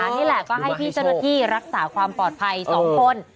นี่แหละก็ให้พี่เจ้าหน้าที่รักษาความปลอดภัย๒คน